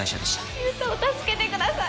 優太を助けてください。